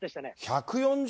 １４０